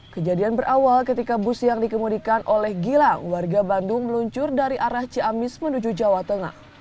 kejadian berawal ketika bus yang dikemudikan oleh gila warga bandung meluncur dari arah ciamis menuju jawa tengah